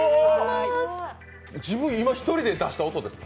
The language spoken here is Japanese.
自分、今１人で出した音ですか？